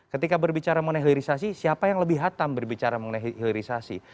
ketika berbicara mengenai hilirisasi siapa yang lebih hatam berbicara mengenai hilirisasi